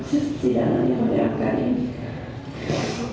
persidangan yang menyeramkan ini